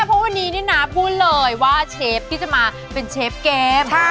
เพราะวันนี้นี่นะพูดเลยว่าเชฟที่จะมาเป็นเชฟเกม